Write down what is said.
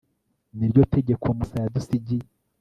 ni ryo tegeko musa yadusigiye